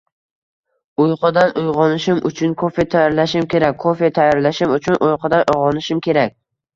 Uyqudan uyg'onishim uchun kofe tayyorlashim kerak. Kofe tayyorlashim uchun uyqudan uyg'onishim kerak...